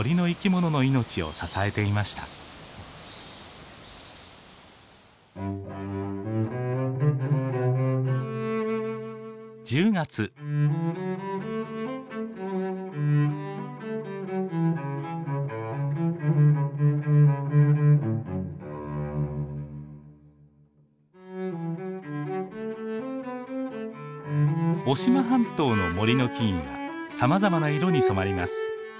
渡島半島の森の木々がさまざまな色に染まります。